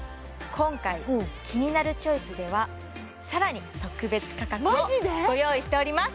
今回「キニナルチョイス」ではさらに特別価格をマジで？ご用意しております